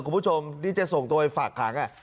คุณผู้ชมที่จะส่งตัวไปฝากขัง